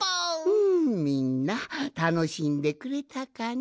うんみんなたのしんでくれたかの？はい！